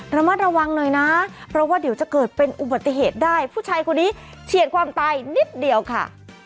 ระมัดระวังหน่อยนะเพราะว่าเดี๋ยวจะเกิดเป็นอุบัติเหตุได้ผู้ชายคนนี้เฉียดความตายนิดเดียวค่ะ